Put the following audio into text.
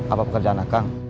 apa pekerjaan kang